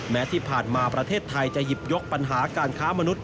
แม้ที่ผ่านมาประเทศไทยจะหยิบยกปัญหาการค้ามนุษย